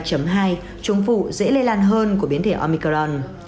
chủng phụ dễ lây lan hơn của biến thể omicron